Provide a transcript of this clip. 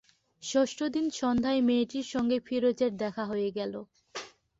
ষষ্ঠ দিন সন্ধ্যায় মেয়েটির সঙ্গে ফিরোজের দেখা হয়ে গেল।